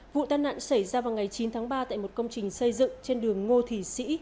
vụ tai nạn xảy ra vào ngày chín tháng ba tại một công trình xây dựng trên đường ngô thị sĩ